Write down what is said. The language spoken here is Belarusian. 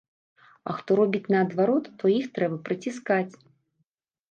А хто робіць наадварот, то іх трэба прыціскаць.